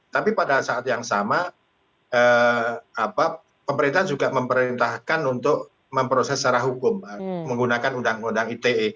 tapi pada saat yang sama pemerintah juga memerintahkan untuk memproses secara hukum menggunakan undang undang ite